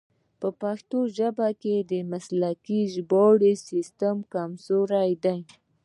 په پښتو ژبه کې د مسلکي ژباړې سیستم کمزوری دی.